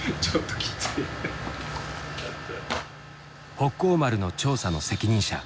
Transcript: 北光丸の調査の責任者